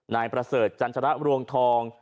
นายประเสริฐจันทรรวงทอง